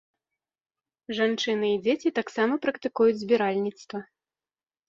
Жанчыны і дзеці таксама практыкуюць збіральніцтва.